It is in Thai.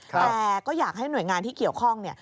แต่ก็อยากให้หน่วยงานที่เกี่ยวข้องเนี่ย